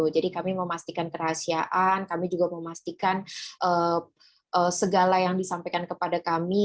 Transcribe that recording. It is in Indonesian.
jadi kami memastikan kerahasiaan kami juga memastikan segala yang disampaikan kepada kami